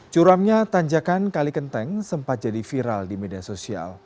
curamnya tanjakan kalikenteng sempat jadi viral di media sosial